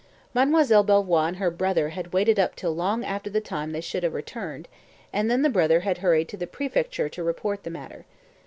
Mademoiselle Belvoir and her brother had waited up till long after the time they should have returned, and then the brother had hurried to the préfecture to report the matter.